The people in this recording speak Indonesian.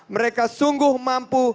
mereka sungguh mampu